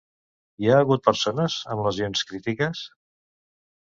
Hi ha hagut persones amb lesions crítiques?